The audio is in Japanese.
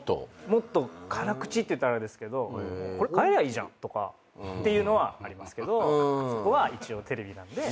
もっと辛口っていったらあれですけどこれ代えりゃいいじゃんとかっていうのはありますけどそこは一応テレビなので。